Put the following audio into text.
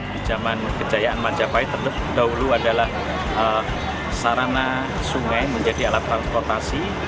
di zaman kejayaan majapahit terdahulu adalah sarana sungai menjadi alat transportasi